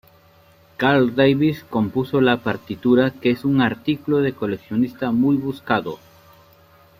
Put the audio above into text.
Carl Davis compuso la partitura, que es un artículo de coleccionista muy buscado.